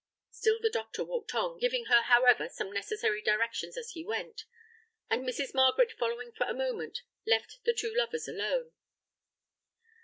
Still the doctor walked on, giving her, however, some necessary directions as he went, and Mrs. Margaret following for a moment, left the two lovers alone.